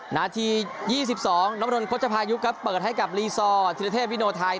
หน้าที๒๒น้องบริษัทพยุคครับเปิดให้กับลีซอร์ทีระเทพวิโนไทย